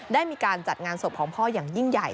ได้มีการจัดงานโสบของพ่อยิ่งใหญ่